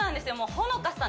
ほのかさん